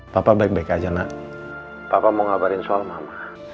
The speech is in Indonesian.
papa baik baik aja nak papa mau ngabarin soal mama